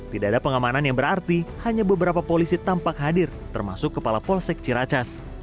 tidak ada pengamanan yang berarti hanya beberapa polisi tampak hadir termasuk kepala polsek ciracas